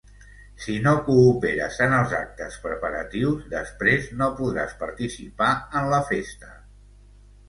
Si no cooperes en els actes preparatius, després no podràs participar en la festa.